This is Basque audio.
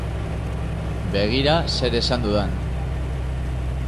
Begira zer esan dudan.